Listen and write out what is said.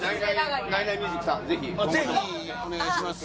ぜひお願いします。